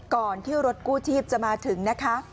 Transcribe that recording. ก่อนที่รถกู้ชีพจะมาถึงนะคะ